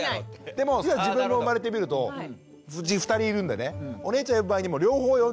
でも自分も生まれてみるとうち２人いるんでねお姉ちゃん呼ぶ場合にも両方呼んじゃって。